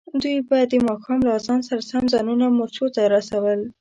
دوی به د ماښام له اذان سره سم ځانونه مورچو ته رسول.